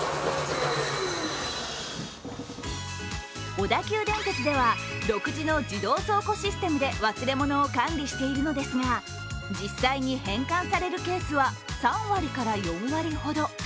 小田急電鉄では独自の自動倉庫システムで忘れ物を管理しているのですが、実際に返還されるケースは３割から４割ほど。